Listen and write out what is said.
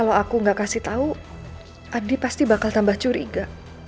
aku gak kasih tau andi pasti bakal tambah curiga